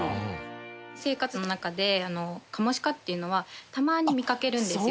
生活の中でカモシカっていうのはたまに見かけるんですよ。